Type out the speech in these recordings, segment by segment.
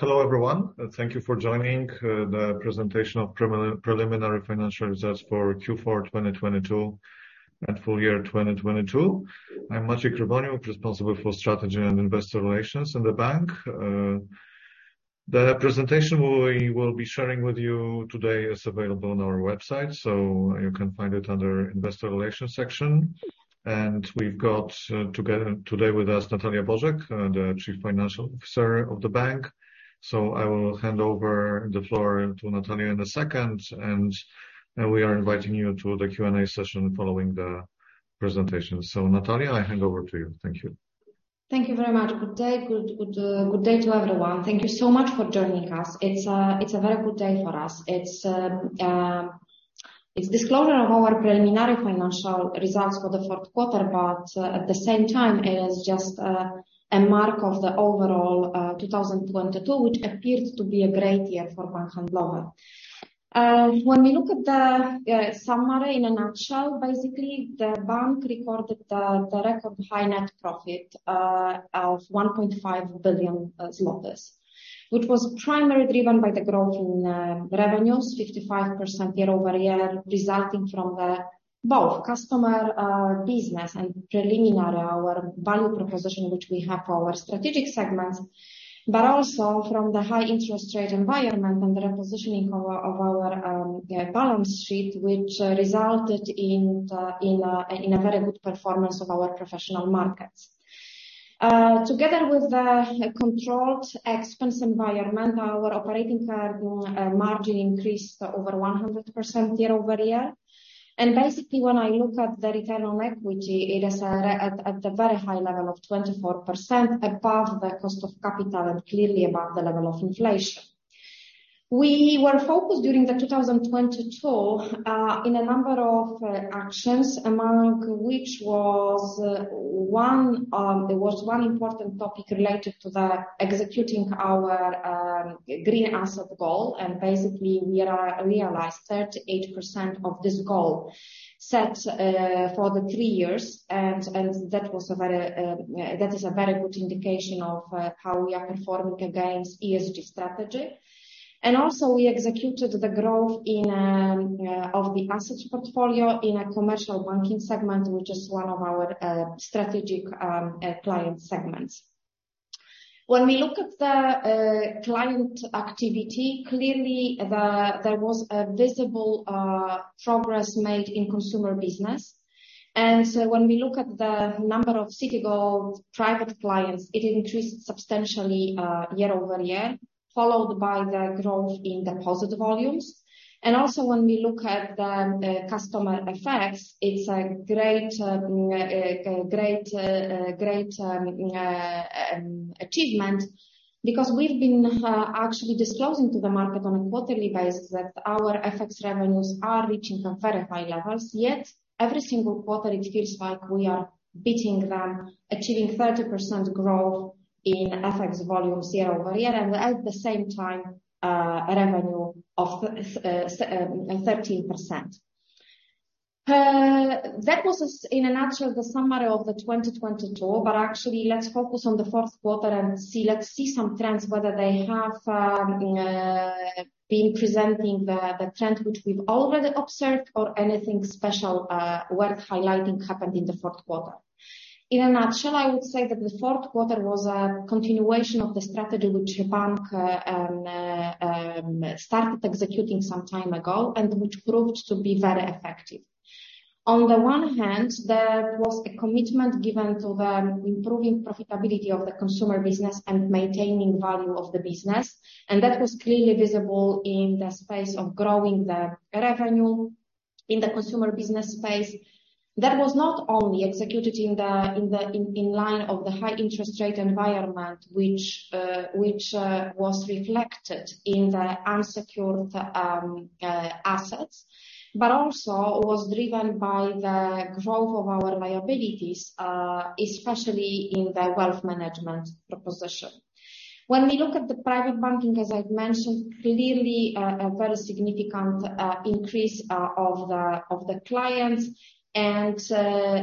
Hello everyone, and thank you for joining, the presentation of preliminary financial results for Q4 2022 and full year 2022. I'm Maciej Krywoniuk, responsible for strategy and investor relations in the bank. The presentation we will be sharing with you today is available on our website, so you can find it under Investor Relations section. We've got together today with us Natalia Bożek, the Chief Financial Officer of the bank. I will hand over the floor to Natalia in a second, and we are inviting you to the Q and A session following the presentation. Natalia, I hand over to you. Thank you. Thank you very much. Good day. Good day to everyone. Thank you so much for joining us. It's a very good day for us. It's disclosure of our preliminary financial results for the fourth quarter, but at the same time it is just a mark of the overall 2022, which appears to be a great year for Bank Handlowy. When we look at the summary in a nutshell, basically the bank recorded the record high net profit of 1.5 billion zlotys, which was primarily driven by the growth in revenues, 55% year-over-year, resulting from the both customer business and preliminary our value proposition, which we have our strategic segments. Also from the high interest rate environment and the repositioning of our, of our balance sheet, which resulted in the, in a, in a very good performance of our professional markets. Together with the controlled expense environment, our operating margin increased over 100% year-over-year. Basically when I look at the return on equity, it is at a very high level of 24% above the cost of capital and clearly above the level of inflation. We were focused during 2022 in a number of actions, among which was one, it was one important topic related to the executing our green asset goal. Basically we are realized 38% of this goal set for the three years. That was a very good indication of how we are performing against ESG strategy. Also we executed the growth in of the assets portfolio in a commercial banking segment, which is one of our strategic client segments. When we look at the client activity, clearly there was a visible progress made in consumer business. When we look at the number of Citigold Private Clients, it increased substantially year-over-year, followed by the growth in deposit volumes. Also when we look at the customer FX, it's a great achievement because we've been actually disclosing to the market on a quarterly basis that our FX revenues are reaching some very high levels, yet every single quarter it feels like we are beating them, achieving 30% growth in FX volumes year-over-year, and at the same time, revenue of 13%. That was in a nutshell the summary of the 2022, actually let's focus on the fourth quarter and see. Let's see sone trends, whether they have been presenting the trend which we've already observed or anything special worth highlighting happened in the fourth quarter. In a nutshell, I would say that the fourth quarter was a continuation of the strategy which the bank started executing some time ago and which proved to be very effective. There was a commitment given to the improving profitability of the consumer business and maintaining value of the business, and that was clearly visible in the space of growing the revenue in the consumer business space. That was not only executed in line of the high interest rate environment, which was reflected in the unsecured assets, but also was driven by the growth of our liabilities, especially in the wealth management proposition. When we look at the private banking, as I've mentioned, clearly a very significant increase of the clients and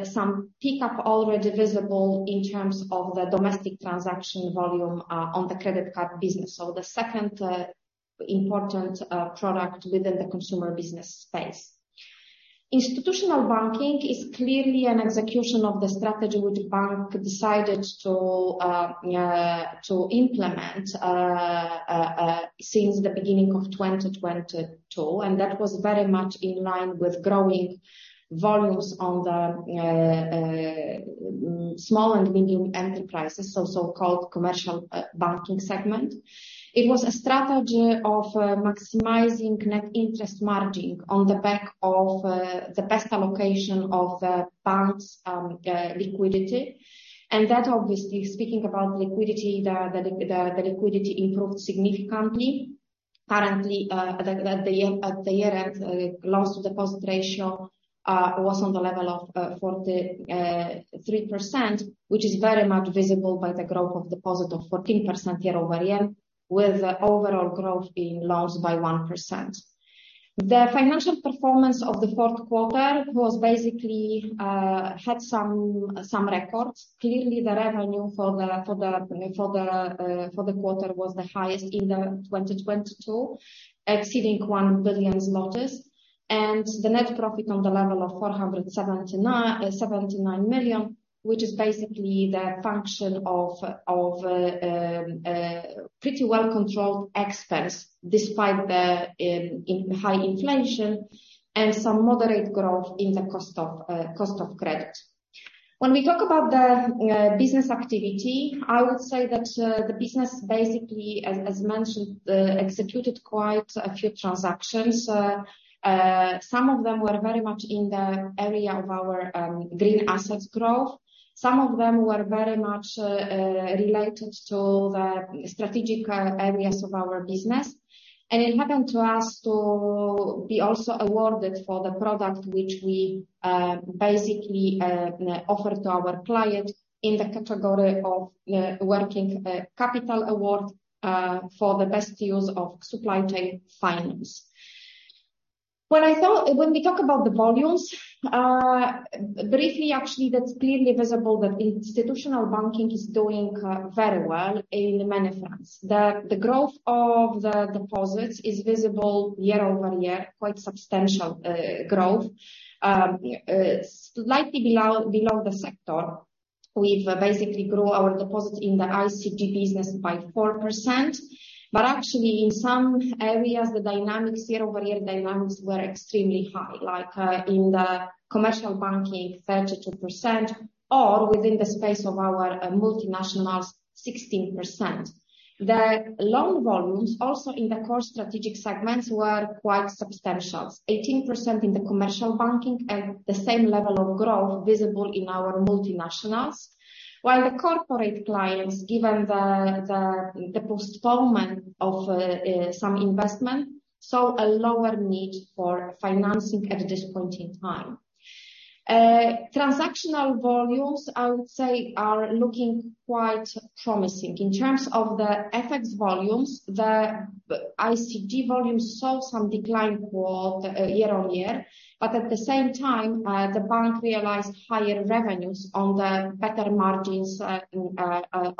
some pickup already visible in terms of the domestic transaction volume on the credit card business. The second important product within the consumer business space. Institutional banking is clearly an execution of the strategy which the bank decided to implement since the beginning of 2022. That was very much in line with growing volumes on the small and medium enterprises, so so-called commercial banking segment. It was a strategy of maximizing net interest margin on the back of the best allocation of the bank's liquidity. That obviously speaking about liquidity, the liquidity improved significantly. Currently, at the year end, loan to deposit ratio was on the level of 43%, which is very much visible by the growth of deposit of 14% year-over-year, with overall growth being loans by 1%. The financial performance of the fourth quarter was basically had some records. Clearly, the revenue for the quarter was the highest in 2022, exceeding 1 billion zlotys. The net profit on the level of 479 million, which is basically the function of pretty well-controlled expense, despite the high inflation and some moderate growth in the cost of credit. When we talk about the business activity, I would say that the business basically, as mentioned, executed quite a few transactions. Some of them were very much in the area of our green assets growth. Some of them were very much related to the strategic areas of our business. It happened to us to be also awarded for the product which we basically offered to our client in the category of working capital award for the best use of supply chain finance. When we talk about the volumes, briefly, actually, that's clearly visible that institutional banking is doing very well in many fronts. The growth of the deposits is visible year-over-year, quite substantial growth. slightly below the sector. We've basically grew our deposits in the ICG business by 4%. Actually in some areas, the year-over-year dynamics were extremely high, like, in the commercial banking, 32%, or within the space of our multinationals, 16%. The loan volumes, also in the core strategic segments, were quite substantial. 18% in the commercial banking and the same level of growth visible in our multinationals. While the corporate clients, given the postponement of some investment, saw a lower need for financing at this point in time. Transactional volumes, I would say, are looking quite promising. In terms of the FX volumes, the ICG volumes saw some decline year-on-year, but at the same time, the bank realized higher revenues on the better margins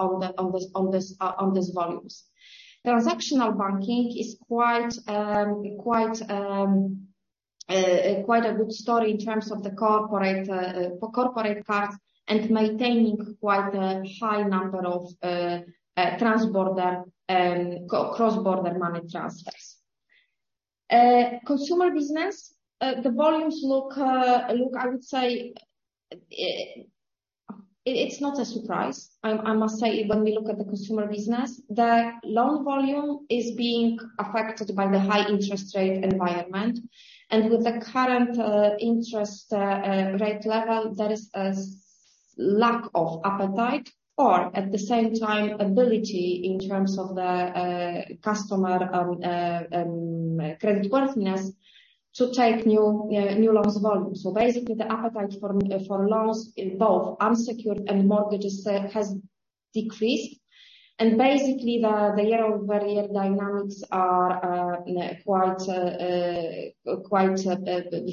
on these volumes. Transactional banking is quite a good story in terms of the corporate corporate cards and maintaining quite a high number of transborder, cross-border money transfers. Consumer business, the volumes look, I would say, it's not a surprise. I must say when we look at the consumer business, the loan volume is being affected by the high interest rate environment. With the current interest rate level, there is a lack of appetite or at the same time, ability in terms of the customer credit worthiness to take new loans volume. Basically, the appetite for loans in both unsecured and mortgages has decreased. Basically, the year-over-year dynamics are quite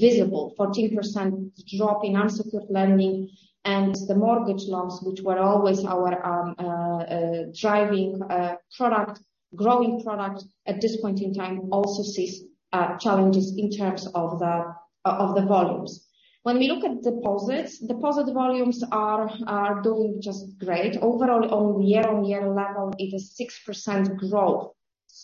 visible. 14% drop in unsecured lending and the mortgage loans, which were always our driving product, growing product, at this point in time also sees challenges in terms of the volumes. When we look at deposits, deposit volumes are doing just great. Overall, on year-on-year level, it is 6% growth,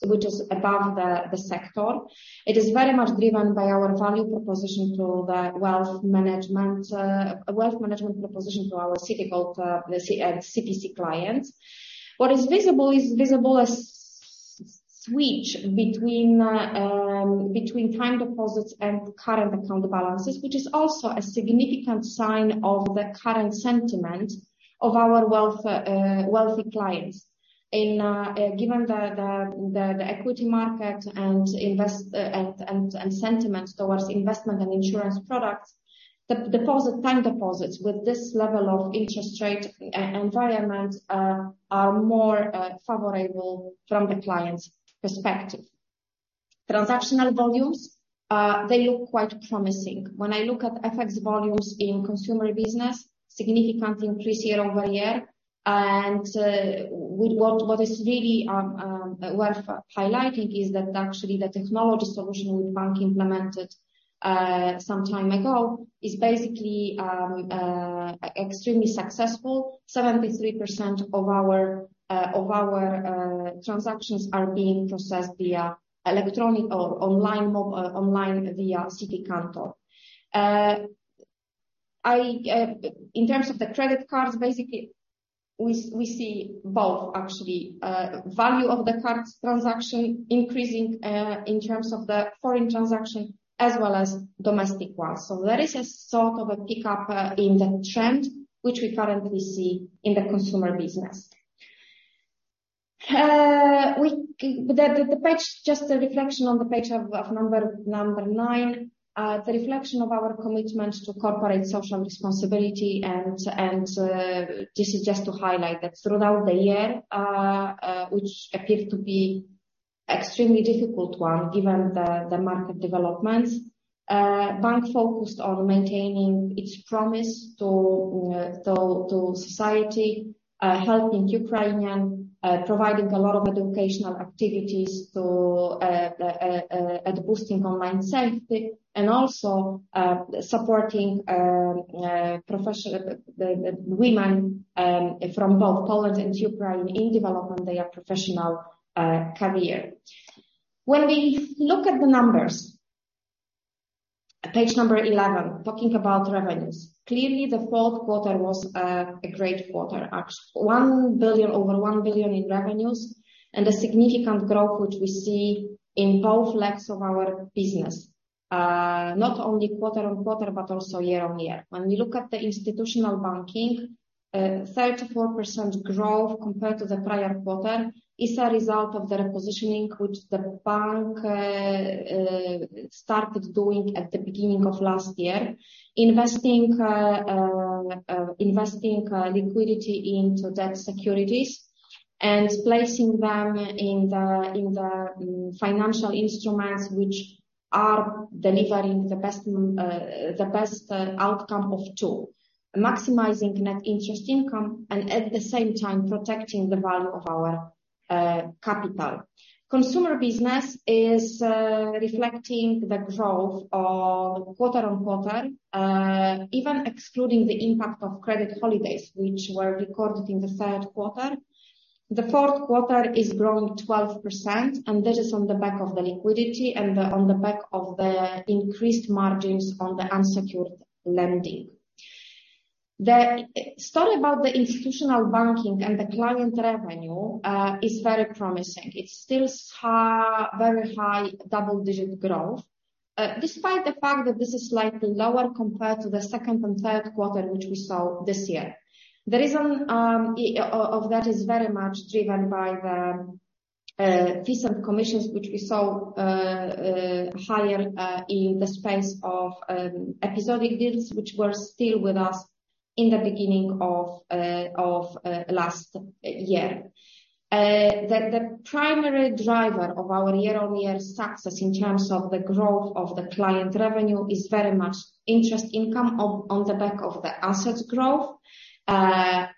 which is above the sector. It is very much driven by our value proposition to the wealth management, wealth management proposition to our Citigold CPC clients. What is visible as switch between time deposits and current account balances, which is also a significant sign of the current sentiment of our wealthy clients. Given the equity market and sentiment towards investment and insurance products, the deposit, time deposits with this level of interest rate environment are more favorable from the client's perspective. Transactional volumes, they look quite promising. When I look at FX volumes in consumer business, significant increase year-over-year. What is really worth highlighting is that actually the technology solution which Bank Handlowy implemented some time ago is basically extremely successful. 73% of our transactions are being processed via electronic or online via Citi Kantor. In terms of the credit cards, basically, we see both actually. Value of the cards transaction increasing in terms of the foreign transaction as well as domestic ones. There is a sort of a pickup in the trend which we currently see in the consumer business. The page, just a reflection on the page of number nine. It's a reflection of our commitment to corporate social responsibility, and this is just to highlight that throughout the year, which appeared to be extremely difficult one, given the market developments, Bank focused on maintaining its promise to society, helping Ukrainian, providing a lot of educational activities and boosting online safety, and also supporting professional women from both Poland and Ukraine in developing their professional career. When we look at the numbers, page number 11, talking about revenues. Clearly, the fourth quarter was a great quarter. over 1 billion in revenues and a significant growth which we see in both legs of our business, not only quarter-on-quarter, but also year-on-year. When we look at the institutional banking, 34% growth compared to the prior quarter is a result of the repositioning which the Bank started doing at the beginning of last year. Investing liquidity into debt securities and placing them in the financial instruments which are delivering the best outcome of two. Maximizing net interest income and at the same time protecting the value of our capital. Consumer business is reflecting the growth of quarter-on-quarter, even excluding the impact of credit holidays, which were recorded in the third quarter. The fourth quarter is growing 12%. This is on the back of the liquidity and on the back of the increased margins on the unsecured lending. The story about the institutional banking and the client revenue is very promising. It's still high, very high double-digit growth, despite the fact that this is slightly lower compared to the second and third quarter, which we saw this year. The reason of that is very much driven by the fees and commissions, which we saw higher in the space of episodic deals, which were still with us in the beginning of last year. The primary driver of our year-on-year success in terms of the growth of the client revenue is very much interest income on the back of the assets growth, high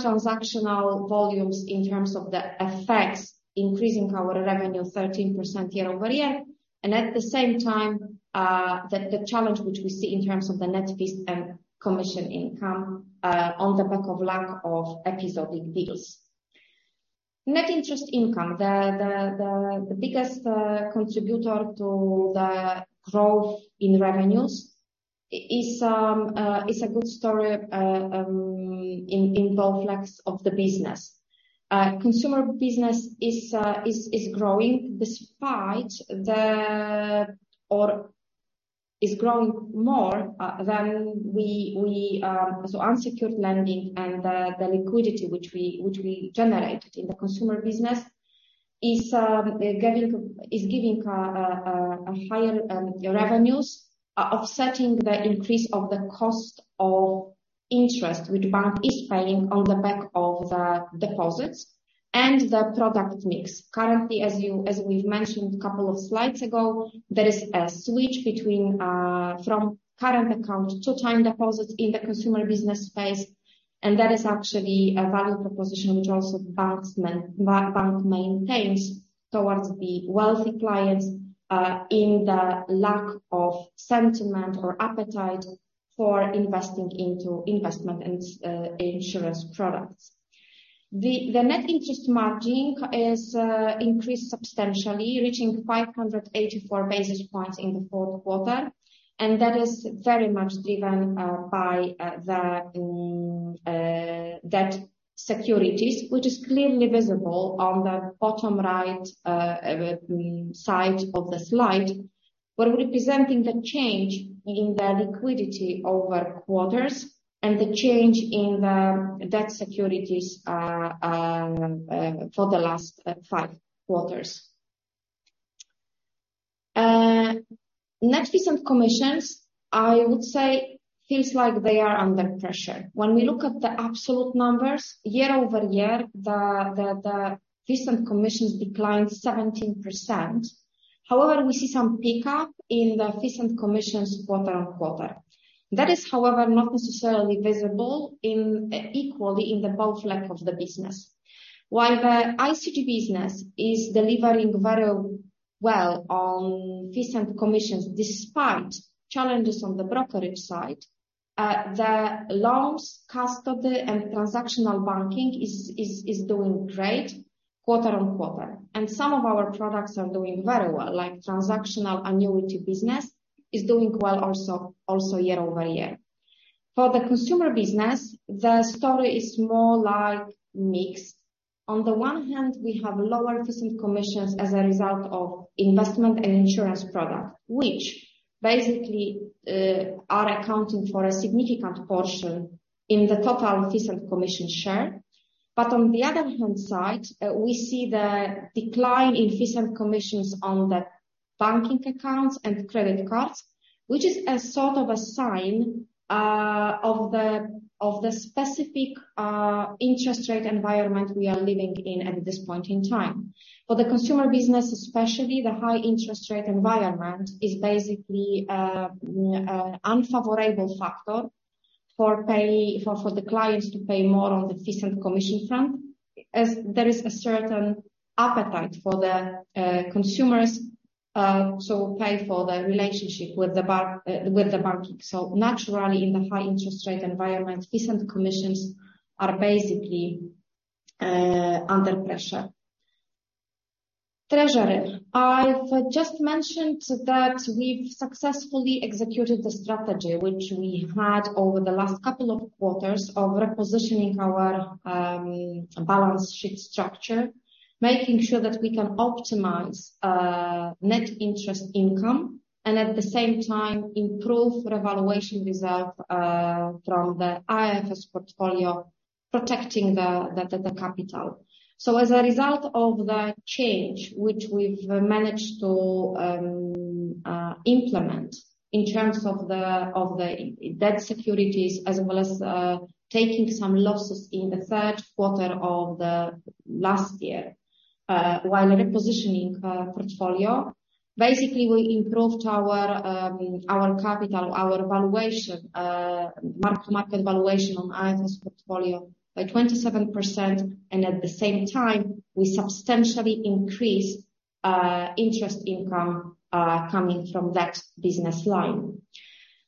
transactional volumes in terms of the FX increasing our revenue 13% year-over-year, and at the same time, the challenge which we see in terms of the net fees and commission income on the back of lack of episodic deals. Net interest income, the biggest contributor to the growth in revenues is a good story in both legs of the business. Consumer business is growing despite the... is growing more than we, so unsecured lending and the liquidity which we generated in the consumer business is giving a higher revenues, offsetting the increase of the cost of interest which Bank Handlowy is paying on the back of the deposits and the product mix. Currently, as we've mentioned a couple of slides ago, there is a switch between from current accounts to time deposits in the consumer business space, and that is actually a value proposition which also Bank Handlowy maintains towards the wealthy clients in the lack of sentiment or appetite for investing into investment and insurance products. The net interest margin is increased substantially, reaching 584 basis points in the fourth quarter, and that is very much driven by the debt securities, which is clearly visible on the bottom right side of the slide. We're representing the change in the liquidity over quarters and the change in the debt securities for the last five quarters. Net fees and commissions, I would say feels like they are under pressure. When we look at the absolute numbers year-over-year, the fees and commissions declined 17%. We see some pickup in the fees and commissions quarter-on-quarter. That is, however, not necessarily visible in equally in the both leg of the business. While the ICG business is delivering very well on fees and commissions despite challenges on the brokerage side, the loans, custody, and transactional banking is doing great quarter-on-quarter. Some of our products are doing very well, like transactional annuity business is doing well also year-over-year. For the consumer business, the story is more like mixed. On the one hand, we have lower fees and commissions as a result of investment and insurance product, which basically are accounting for a significant portion in the total fees and commission share. On the other hand side, we see the decline in fees and commissions on the banking accounts and credit cards, which is a sort of a sign of the specific interest rate environment we are living in at this point in time. For the consumer business especially, the high interest rate environment is basically an unfavorable factor for the clients to pay more on the fees and commission front, as there is a certain appetite for the consumers to pay for the relationship with the bank, with the banking. Naturally, in the high interest rate environment, fees and commissions are basically under pressure. Treasury. I've just mentioned that we've successfully executed the strategy which we had over the last couple of quarters of repositioning our balance sheet structure, making sure that we can optimize net interest income and at the same time improve revaluation reserve from the IFRS portfolio, protecting the capital. As a result of the change which we've managed to implement in terms of the e-debt securities as well as taking some losses in the third quarter of the last year, while repositioning our portfolio. Basically, we improved our capital, our valuation, mark-to-market valuation on IFRS portfolio by 27%, and at the same time, we substantially increased interest income coming from that business line.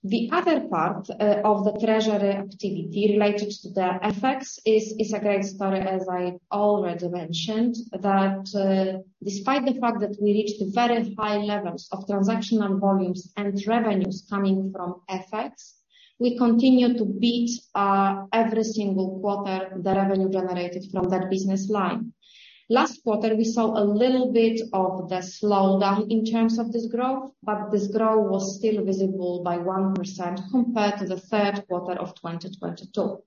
The other part of the treasury activity related to the FX is a great story, as I already mentioned, that despite the fact that we reached very high levels of transactional volumes and revenues coming from FX, we continue to beat every single quarter the revenue generated from that business line. Last quarter, we saw a little bit of the slowdown in terms of this growth, but this growth was still visible by 1% compared to the third quarter of 2022.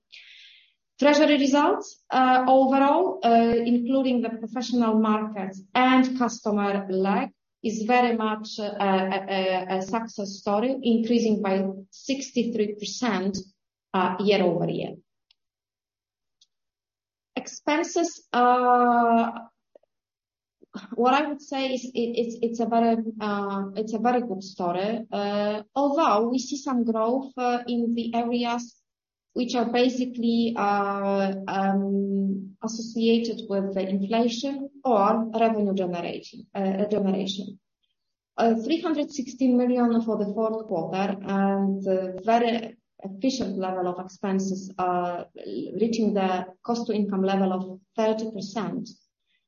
Treasury results, overall, including the professional market and customer lag, is very much a success story, increasing by 63% year-over-year. Expenses, what I would say is, it's a very good story. Although we see some growth in the areas which are basically associated with the inflation or revenue generation. 316 million for the fourth quarter and a very efficient level of expenses, reaching the cost-to-income level of 30%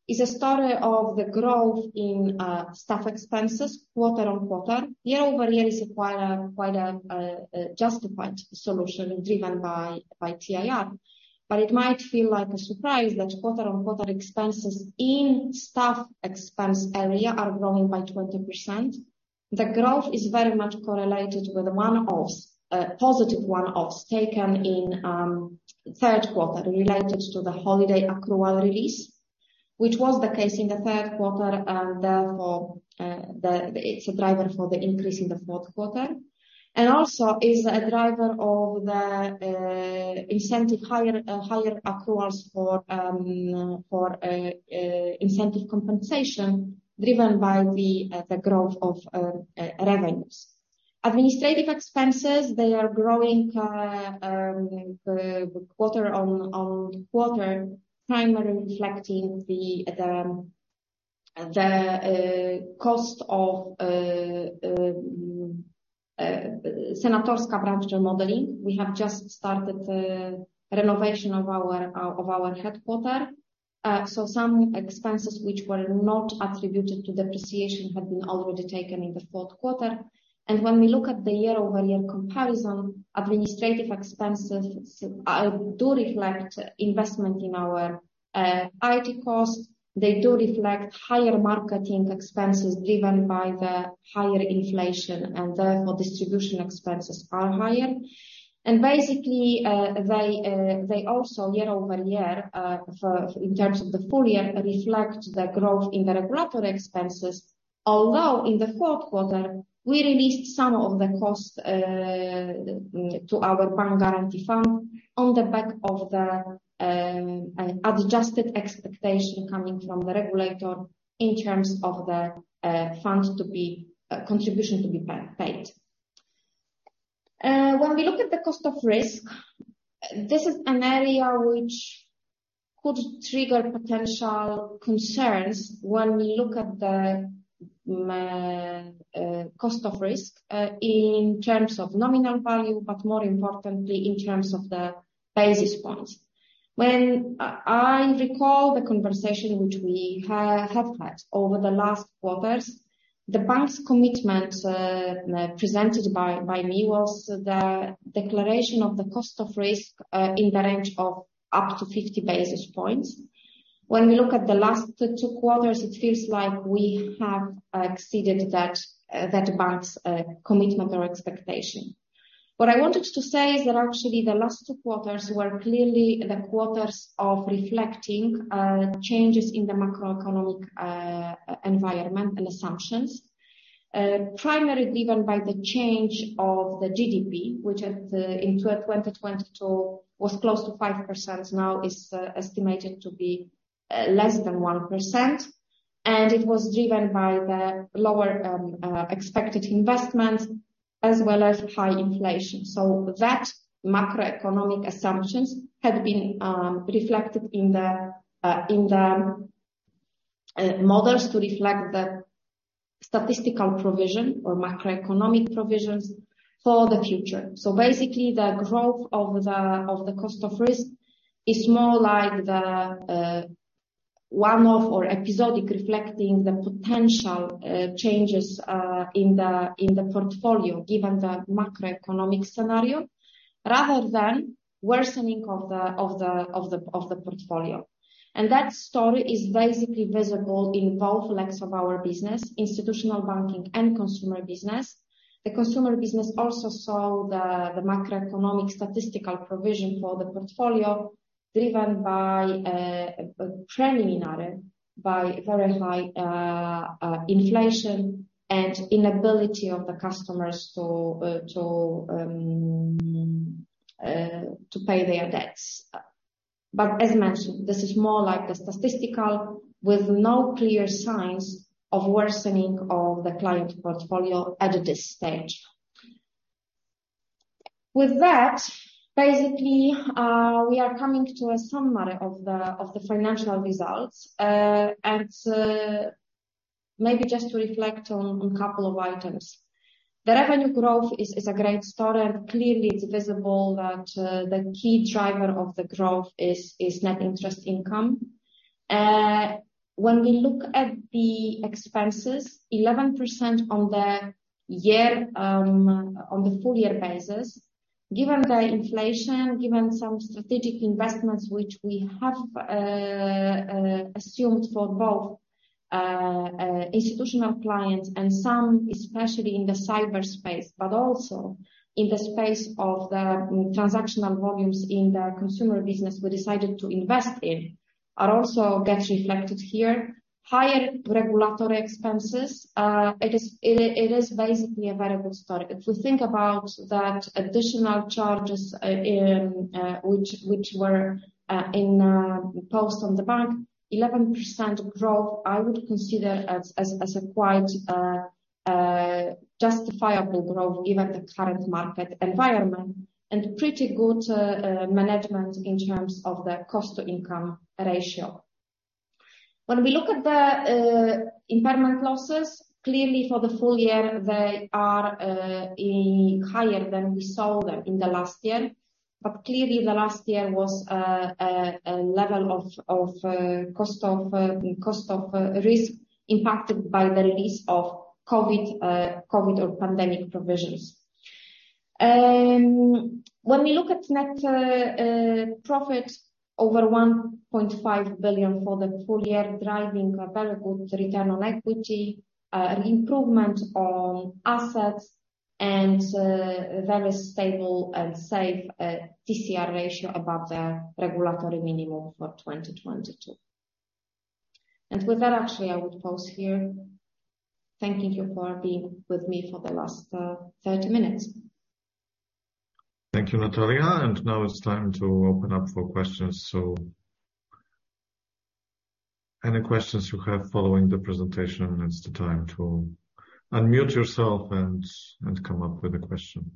is a story of the growth in staff expenses quarter-on-quarter. Year-over-year is quite a justified solution driven by TIR. It might feel like a surprise that quarter-on-quarter expenses in staff expense area are growing by 20%. The growth is very much correlated with one-offs, positive one-offs taken in third quarter related to the holiday accrual release, which was the case in the third quarter, and therefore, it's a driver for the increase in the fourth quarter. Also is a driver of the incentive higher accruals for incentive compensation driven by the growth of revenues. Administrative expenses, they are growing quarter-on-quarter, primarily reflecting the cost of Senatorska branch modeling. We have just started the renovation of our headquarter. Some expenses which were not attributed to depreciation have been already taken in the fourth quarter. When we look at the year-over-year comparison, administrative expenses do reflect investment in our IT costs. They do reflect higher marketing expenses driven by the higher inflation, and therefore, distribution expenses are higher. They also year-over-year, in terms of the full year, reflect the growth in the regulatory expenses. Although in the fourth quarter, we released some of the costs to our Bank Guarantee Fund on the back of the adjusted expectation coming from the regulator in terms of the funds to be contribution to be paid. When we look at the cost of risk, this is an area which could trigger potential concerns when we look at the cost of risk in terms of nominal value, but more importantly in terms of the basis points. When I recall the conversation which we have had over the last quarters. The bank's commitment, presented by me was the declaration of the cost of risk in the range of up to 50 basis points. When we look at the last two quarters, it feels like we have exceeded that bank's commitment or expectation. What I wanted to say is that actually the last two quarters were clearly the quarters of reflecting changes in the macroeconomic environment and assumptions, primarily driven by the change of the GDP, which in 2022 was close to 5%, now is estimated to be less than 1%. It was driven by the lower expected investment as well as high inflation. That macroeconomic assumptions have been reflected in the models to reflect the statistical provision or macroeconomic provisions for the future. Basically the growth of the cost of risk is more like the one-off or episodic reflecting the potential changes in the portfolio given the macroeconomic scenario rather than worsening of the portfolio. That story is basically visible in both legs of our business, institutional banking and consumer business. The consumer business also saw the macroeconomic statistical provision for the portfolio driven by primarily by very high inflation and inability of the customers to pay their debts. As mentioned, this is more like a statistical with no clear signs of worsening of the client portfolio at this stage. With that, basically, we are coming to a summary of the financial results. Maybe just to reflect on couple of items. The revenue growth is a great story. Clearly it's visible that the key driver of the growth is net interest income. When we look at the expenses, 11% on the year, on the full year basis, given the inflation, given some strategic investments which we have assumed for both institutional clients and some especially in the cyber space, but also in the space of the transactional volumes in the consumer business we decided to invest in, are also gets reflected here. Higher regulatory expenses, it is, it is basically a very good story. If we think about that additional charges which were in post on the bank, 11% growth, I would consider as quite a justifiable growth given the current market environment and pretty good management in terms of the cost-to-income ratio. When we look at the impairment losses, clearly for the full year, they are higher than we saw them in the last year. Clearly the last year was a level of cost of risk impacted by the release of COVID or pandemic provisions. When we look at net profit, over 1.5 billion for the full year, driving a very good return on equity, improvement on assets and very stable and safe TCR ratio above the regulatory minimum for 2022. With that, actually, I would pause here. Thanking you for being with me for the last 30 minutes. Thank you, Natalia. Now it's time to open up for questions. Any questions you have following the presentation, it's the time to unmute yourself and come up with a question.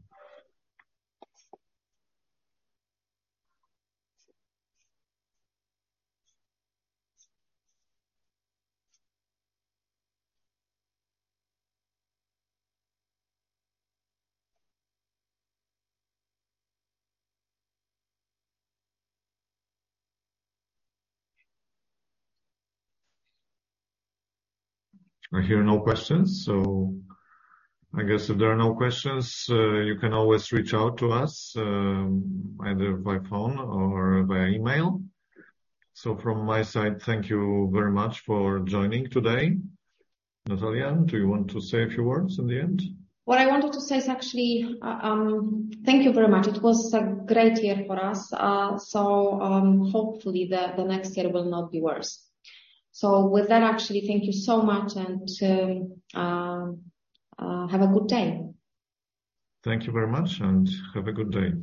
I hear no questions, I guess if there are no questions, you can always reach out to us, either by phone or via email. From my side, thank you very much for joining today. Natalia, do you want to say a few words in the end? What I wanted to say is actually, thank you very much. It was a great year for us, hopefully the next year will not be worse. With that, actually, thank you so much and have a good day. Thank you very much and have a good day.